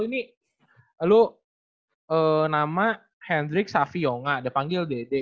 ini lu nama hendrik savi yonga udah panggil dede